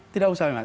tidak usah masker